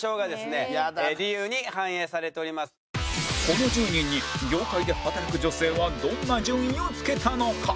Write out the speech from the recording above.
この１０人に業界で働く女性はどんな順位をつけたのか？